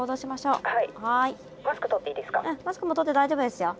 うんマスクも取って大丈夫ですよ。